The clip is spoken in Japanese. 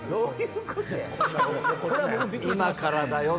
今からだ！